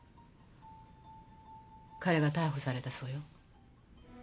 彼が逮捕されたそうよ。